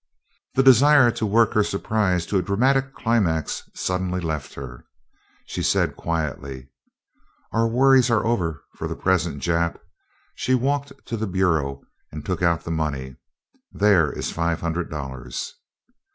The desire to work her surprise to a dramatic climax suddenly left her. She said quietly: "Our worries are over for the present, Jap." She walked to the bureau and took out the money. "There is five hundred dollars."